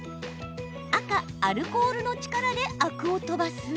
赤・アルコールの力でアクを飛ばす？